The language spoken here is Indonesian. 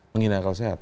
menghina akal sehat